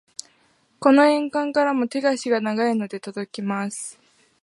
この遠間からも手足が長いので届きます。